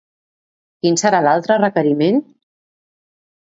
Quin serà l'altre requeriment?